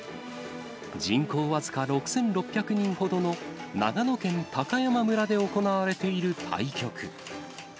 人口僅か６６００人ほどの長野県高山村で行われている対局。